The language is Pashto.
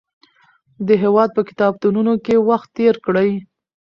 د هېواد په کتابتونونو کې وخت تېر کړئ.